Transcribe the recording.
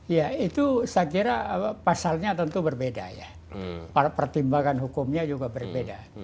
ya itu saya kira pasalnya tentu berbeda ya pertimbangan hukumnya juga berbeda